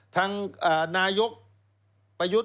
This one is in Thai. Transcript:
ทางนายกประยุทธ์